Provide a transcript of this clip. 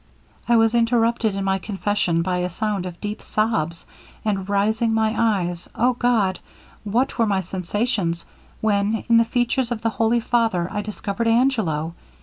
'I was interrupted in my confession by a sound of deep sobs, and rising my eyes, Oh God, what were my sensations, when in the features of the holy father I discovered Angelo!